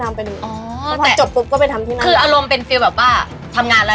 ต้องผ่านหัดทำไปก็เกาะนายสอน